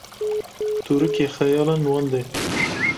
tûrikê xeyalên wan de